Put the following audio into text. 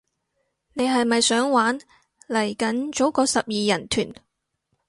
你係咪想玩，嚟緊組個十二人團